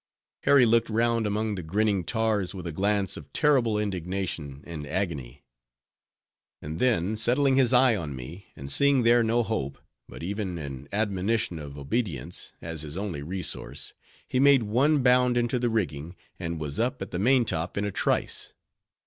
Harry looked round among the grinning tars with a glance of terrible indignation and agony; and then settling his eye on me, and seeing there no hope, but even an admonition of obedience, as his only resource, he made one bound into the rigging, and was up at the main top in a trice.